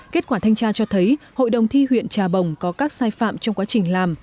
kết quả thanh tra cho thấy hội đồng thi huyện trà bồng có các sai phạm trong quá trình làm